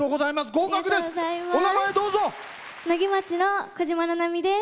合格です。